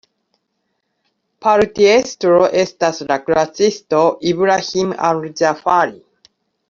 Partiestro estas la kuracisto Ibrahim al-Ĝafari.